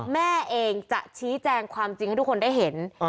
แม่เองจะชี้แจงความจริงให้ทุกคนได้เห็น